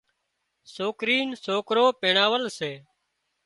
سوڪري سوڪرو پينڻاول سي